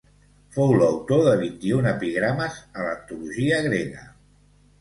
Fou l'autor de vint-i-un epigrames a l'antologia grega.